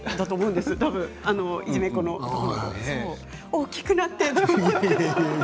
大きくなってって。